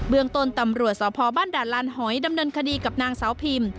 เมืองต้นตำรวจสพบ้านด่านลานหอยดำเนินคดีกับนางสาวพิม